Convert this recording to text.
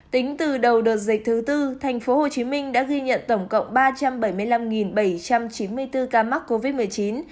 tính từ đầu đợt dịch thứ tư tp hcm đã ghi nhận tổng cộng ba trăm bảy mươi năm bảy trăm chín mươi bốn ca mắc covid một mươi chín